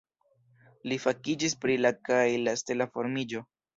Li fakiĝis pri la kaj la stela formiĝo.